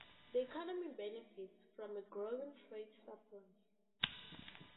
The economy benefits from a growing trade surplus.